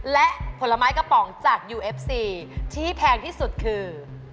และผลไม้กระป๋องจากยูเอฟซีที่แพงที่สุดคือ